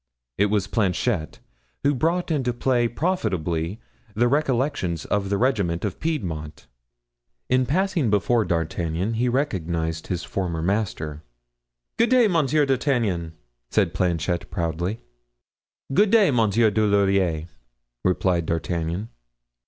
It was Planchet, who brought into play profitably the recollections of the regiment of Piedmont. In passing before D'Artagnan he recognized his former master. "Good day, Monsieur d'Artagnan," said Planchet proudly. "Good day, Monsieur Dulaurier," replied D'Artagnan.